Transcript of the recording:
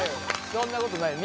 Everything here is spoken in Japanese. そんなことないよ。